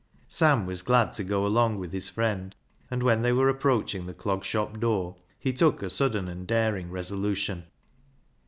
Sam was glad to go along with his friend, and when they were approaching the Clog Shop door, he took a sudden and daring resolution.